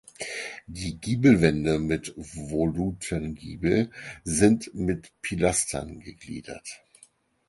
Die Giebelwände mit Volutengiebel sind mit Pilastern gegliedert.